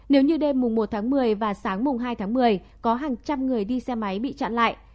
nếu như đêm mùng một tháng một mươi và sáng mùng hai tháng một mươi có hàng trăm người đi xe máy bị chặn lại